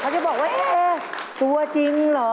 จะบอกว่าเอ๊ะตัวจริงเหรอ